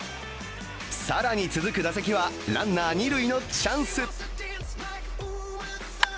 更に、続く打席はランナー、二塁のチャンス。